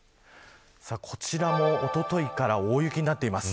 こちらもおとといから大雪になっています。